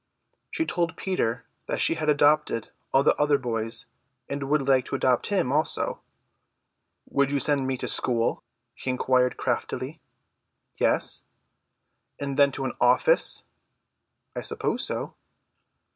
She told Peter that she had adopted all the other boys, and would like to adopt him also. "Would you send me to school?" he inquired craftily. "Yes." "And then to an office?" "I suppose so."